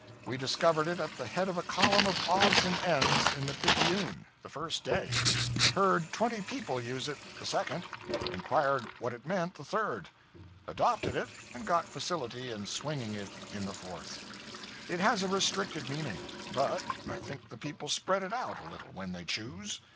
We discovered it at the head of a column of odds and ends in the Picayune, the first day; heard twenty people use it the second; inquired what it meant the third; adopted it and got facility in swinging it the fourth. It has a restricted meaning, but I think the people spread it out a little when they choose.